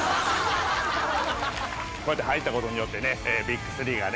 こうやって入ったことによってねＢＩＧ３がね。